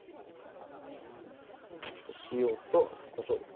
塩とあとこしょうです。